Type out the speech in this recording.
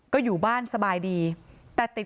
ก็อยู่บ้านสบายดีแต่ติด